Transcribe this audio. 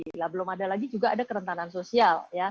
bila belum ada lagi juga ada kerentanan sosial